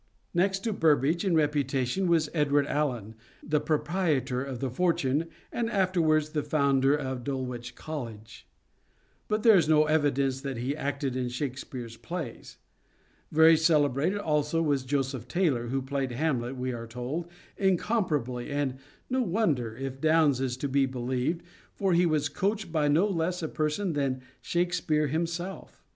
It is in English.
Next to Burbage in reputation was Edward Alleyne, the proprietor of The Fortune, and afterwards the founder of Dulwich College ; but there is no evidence that he acted in Shakespeare's plays. Very celebrated also was Joseph Taylor, who played Hamlet, we are told, incomparably, and no wonder, if Downes is to be believed, for he was coached by no less a person than Shakespeare himself.